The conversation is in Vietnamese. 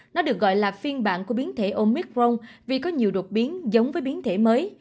nó được gọi là phiên bản của biến thể omicron vì có nhiều đột biến giống với biến thể mới